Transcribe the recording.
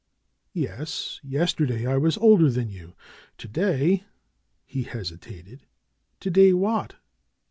"Yes ! Yesterday I was older than you. To day —^—" he hesitated. "To day what?"